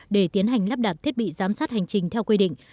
để tiến hành lắp đặt thiết bị giám sát hành trình theo quy định